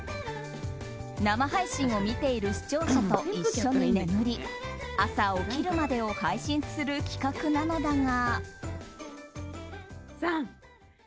生配信を見ている視聴者と一緒に眠り朝起きるまでを配信する企画なのだが。